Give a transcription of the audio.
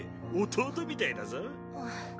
弟みたいだぞあっ